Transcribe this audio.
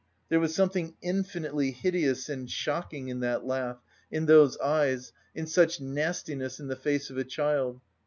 There was something infinitely hideous and shocking in that laugh, in those eyes, in such nastiness in the face of a child.